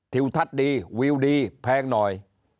ทิวทัศน์ดีวิวดีแพงหน่อย